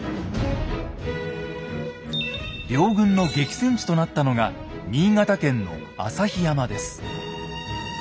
両軍の激戦地となったのが新潟県の朝日山です。